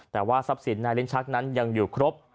แต่ว่าทรัพย์สินนายลิ้นชักนั้นยังอยู่ครบ